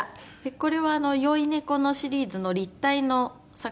これは『酔猫』のシリーズの立体の作品になります。